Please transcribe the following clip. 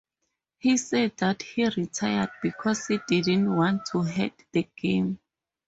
He said that he retired because he didn't want to hurt the game.